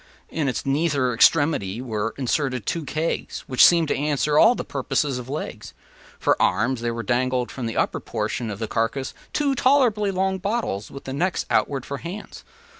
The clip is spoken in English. In its nether extremity were inserted two kegs, which seemed to answer all the purposes of legs. For arms there dangled from the upper portion of the carcass two tolerably long bottles, with the necks outward for hands.